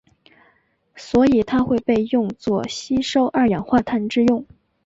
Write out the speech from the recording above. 所以它会被用作吸收二氧化碳之用。